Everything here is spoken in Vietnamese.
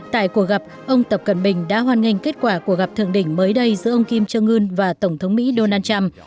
tại cuộc gặp ông tập cận bình đã hoan nghênh kết quả của gặp thượng đỉnh mới đây giữa ông kim jong un và tổng thống mỹ donald trump